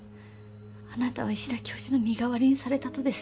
あなたは石田教授の身代わりにされたとです。